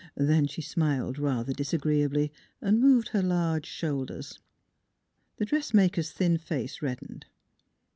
Then she smiled rather disagreeably, and moved her large shoulders. The dressmaker's thin face reddened.